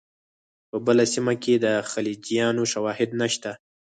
په بله سیمه کې د خلجیانو شواهد نشته.